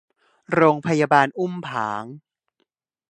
โรงพยาบาลอุ้มผาง